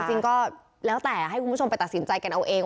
จริงก็แล้วแต่ให้คุณผู้ชมไปตัดสินใจกันเอาเอง